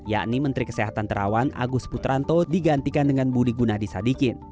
yakni menteri kesehatan terawan agus putranto digantikan dengan budi gunadisadikin